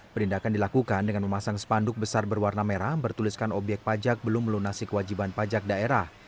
perindakan dilakukan dengan memasang spanduk besar berwarna merah bertuliskan obyek pajak belum melunasi kewajiban pajak daerah